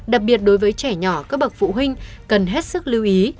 đặc biệt đối với trẻ nhỏ các bậc phụ huynh cần hết sức lưu ý